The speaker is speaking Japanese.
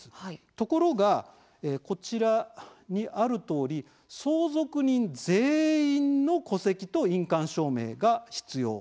ところが、こちらにあるとおり相続人全員の戸籍と印鑑証明書が必要だったんです。